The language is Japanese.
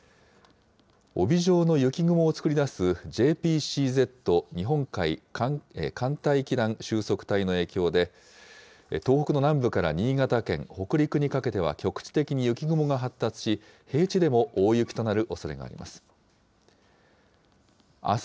帯状の雪雲を作り出す、ＪＰＣＺ・日本海寒帯気団収束帯の影響で、東北の南部から新潟県、北陸にかけては局地的に雪雲が発達し、平地でも大雪となるおそれがあります。